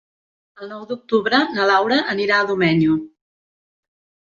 El nou d'octubre na Laura anirà a Domenyo.